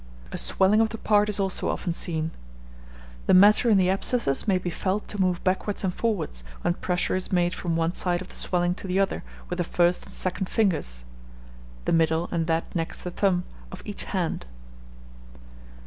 A swelling of the part is also often seen. The matter in the abscesses may be felt to move backwards and forwards, when pressure is made from one side of the swelling to the other with the first and second fingers (the middle and that next the thumb) of each hand.